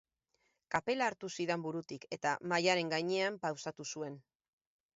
Kapela hartu zidan burutik eta mahaiaren gainean pausatu zuen.